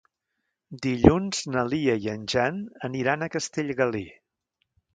Dilluns na Lia i en Jan aniran a Castellgalí.